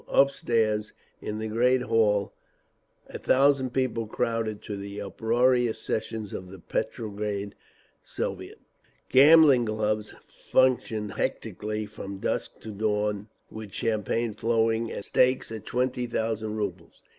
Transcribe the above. Upstairs in the great hall a thousand people crowded to the uproarious sessions of the Petrograd Soviet…. Gambling clubs functioned hectically from dusk to dawn, with champagne flowing and stakes of twenty thousand rubles.